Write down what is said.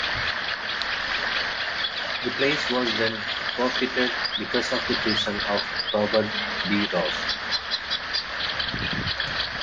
The place was then forfeited because of the treason of Robert De Ros.